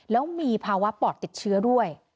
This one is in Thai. แล้วมีภาวะปอดติดเชื้อด้วย